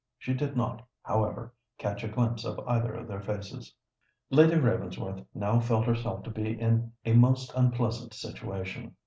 She did not, however, catch a glimpse of either of their faces. Lady Ravensworth now felt herself to be in a most unpleasant situation.